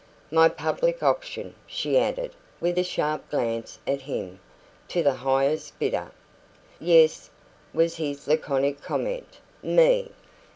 "By public auction," she added, with a sharp glance at him "to the highest bidder." "Yes," was his laconic comment. "Me."